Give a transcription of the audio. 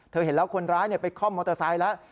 เห็นแล้วคนร้ายไปคล่อมมอเตอร์ไซค์แล้ว